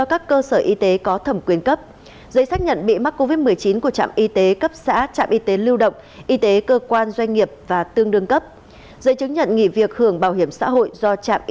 các giấy tờ này bao gồm